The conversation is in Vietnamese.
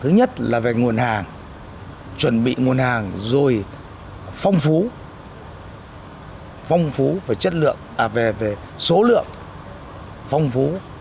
thứ nhất là về nguồn hàng chuẩn bị nguồn hàng rồi phong phú phong phú về số lượng phong phú